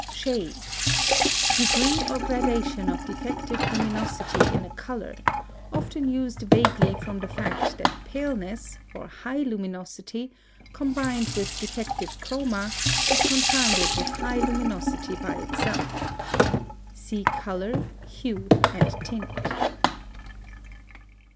SHADE. Degree or gradation of defective luminosity in a color, often used vaguely from the fact that paleness, or high luminosity, combined with defective CHROMA, is confounded with high luminosity by itself. See Color, Hue, and Tint.